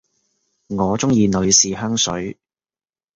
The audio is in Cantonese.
我鍾意女士香水